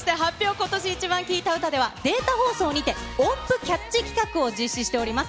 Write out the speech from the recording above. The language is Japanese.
今年イチバン聴いた歌では、データ放送にて音符キャッチ企画を実施しております。